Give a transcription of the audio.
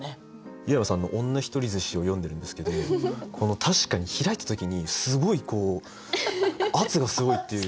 湯山さんの「女ひとり寿司」を読んでるんですけど確かに開いた時にすごいこう圧がすごいっていう。